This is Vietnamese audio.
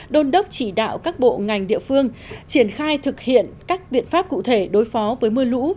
đôn đốc chỉ đạo các bộ ngành địa phương triển khai thực hiện các biện pháp cụ thể đối phó với mưa lũ